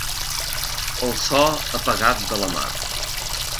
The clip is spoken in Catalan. El so apagat de la mar.